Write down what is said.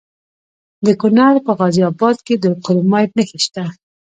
د کونړ په غازي اباد کې د کرومایټ نښې شته.